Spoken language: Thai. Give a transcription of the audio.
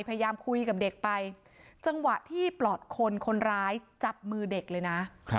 พยายามคุยกับเด็กไปจังหวะที่ปลอดคนคนร้ายจับมือเด็กเลยนะ